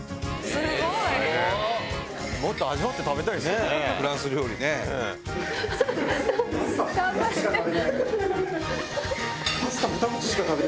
もっと味わって食べたいです頑張って。